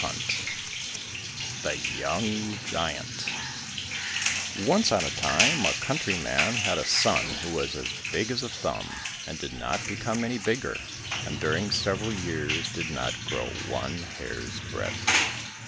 90 The Young Giant Once on a time a countryman had a son who was as big as a thumb, and did not become any bigger, and during several years did not grow one hair's breadth.